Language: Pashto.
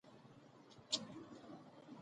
دواړو قبیلو د جلا کیدو سره خپلې اړیکې پرې نه کړې.